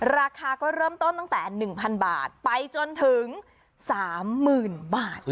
ราคาก็เริ่มต้นตั้งแต่๑๐๐๐บาทไปจนถึง๓๐๐๐บาท